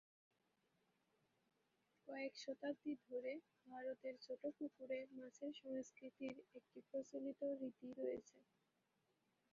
কয়েক শতাব্দী ধরে, ভারতের ছোট পুকুরে মাছের সংস্কৃতির একটি প্রচলিত রীতি রয়েছে।